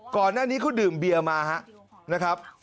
ก่อนหน้านี้เขาดื่มเบียร์มานะครับ